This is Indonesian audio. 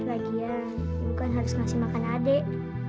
lagian ibu kan harus ngasih makan adik